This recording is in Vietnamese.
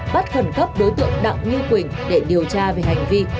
bắt khẩn cấp đối tượng đặng như quỳnh để điều tra về hành vi